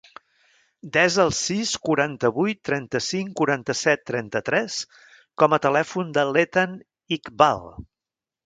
Desa el sis, quaranta-vuit, trenta-cinc, quaranta-set, trenta-tres com a telèfon de l'Ethan Iqbal.